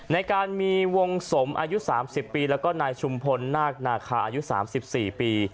ในการมีวงสมอายุ๓๐ปีแล้วก็นายชุมพลนาคนาคาอายุ๓๔ปี